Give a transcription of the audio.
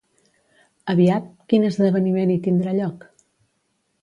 Aviat, quin esdeveniment hi tindrà lloc?